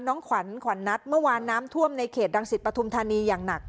น้องขวัญขวัญนัดเมื่อวานน้ำท่วมในเขตดังสิตปฐุมธานีอย่างหนัก